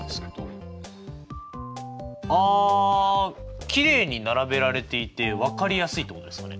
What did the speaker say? あきれいに並べられていて分かりやすいってことですかね？